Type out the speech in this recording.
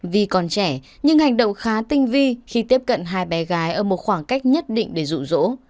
vì còn trẻ nhưng hành động khá tinh vi khi tiếp cận hai bé gái ở một khoảng cách nhất định để rụ rỗ